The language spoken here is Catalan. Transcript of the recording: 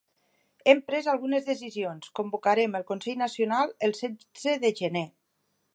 Hem pres algunes decisions: convocarem el consell nacional el setze de gener.